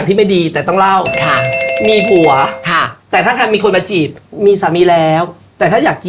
ที่แม่ตือบอกว่าแค้นมากจนเอามาลอง